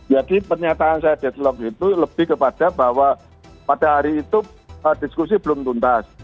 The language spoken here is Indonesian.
jadi pernyataan saya deadlock itu lebih kepada bahwa pada hari itu diskusi belum tuntas